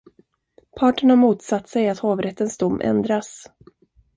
Parten har motsatt sig att hovrättens dom ändras.